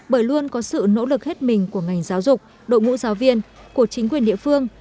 bởi luôn có sự nỗ lực hết mình của ngành giáo dục đội ngũ giáo viên của chính quyền địa phương